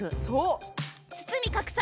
そう！